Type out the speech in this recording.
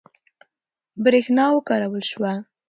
برېښنا وکارول شوه.